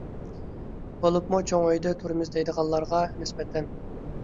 بولۇپمۇ چوڭ ئۆيدە تۇرىمىز دەيدىغانلارغا نىسبەتەن.